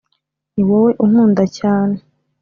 ni wowe unkunda cyane